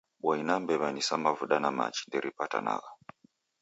Boi na mbew'a ni sa mavuda na machi; nderipatanagha.